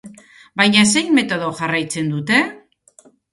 Baina zein metodo jarraitzen dute?